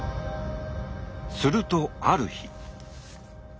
するとある日。